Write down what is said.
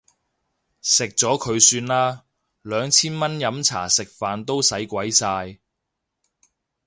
食咗佢算啦，兩千蚊飲茶食飯都使鬼晒